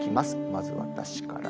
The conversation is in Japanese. まず私から。